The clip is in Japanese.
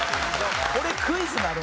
これクイズになる。